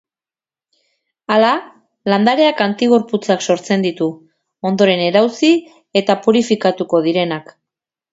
Hala, landareak antigorputzak sortzen ditu, ondoren erauzi eta purifikatuko direnak.